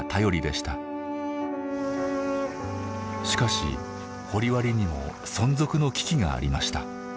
しかし掘割にも存続の危機がありました。